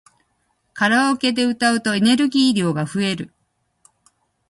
カラオケで歌うとエネルギー量が増える